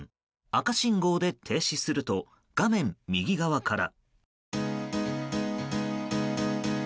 赤信号で停止すると画面右側から。